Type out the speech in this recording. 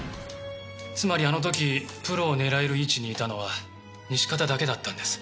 つまりあの時プロを狙える位置にいたのは西片だけだったんです。